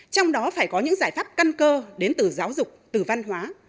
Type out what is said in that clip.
trong đó phải có những giải pháp căn cơ đến từ giáo dục từ văn hóa